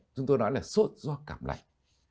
chúng tôi nói là sốt do cảm lạnh